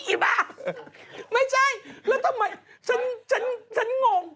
อีบ้าไม่ใช่แล้วทำไมฉันฉันฉันงง